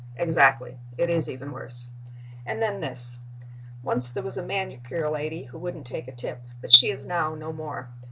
Exactly; it is even worse. And then this: Once there was a manicure lady who wouldn't take a tip, but she is now no more.